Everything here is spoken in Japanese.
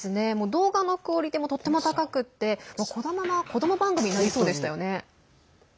動画のクオリティーもとっても高くてこのまま、子ども番組になりそうでしたよね。